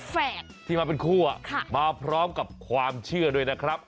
แฝดที่มาเป็นคู่มาพร้อมกับความเชื่อด้วยนะครับ